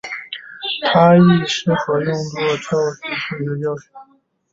它亦适合用作数学教学。